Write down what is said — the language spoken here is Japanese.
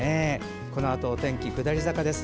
このあと、お天気下り坂です。